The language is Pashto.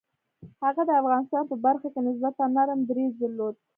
هغه د افغانستان په برخه کې نسبتاً نرم دریځ درلود.